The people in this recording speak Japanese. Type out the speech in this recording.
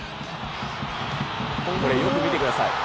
これ、よく見てください。